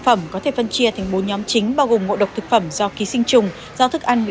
phẩm có thể phân chia thành bốn nhóm chính bao gồm ngộ độc thực phẩm do ký sinh trùng do thức ăn